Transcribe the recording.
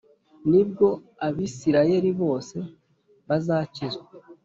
Ni bwo Abisirayeli bose bazakizwa